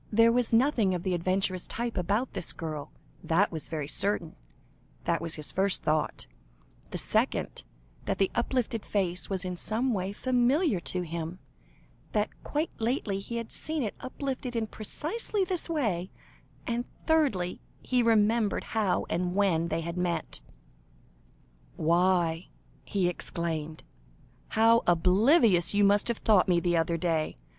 There was nothing of the adventuress type about this girl, that was very certain, was his first thought; his second, that the uplifted face was in some way familiar to him, that quite lately he had seen it uplifted in precisely this way; and thirdly, he remembered how and when they had met. "Why," he exclaimed, "how oblivious you must have thought me the other day!